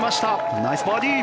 ナイスバーディー。